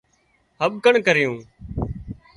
هٻڪڻ ڪرِيون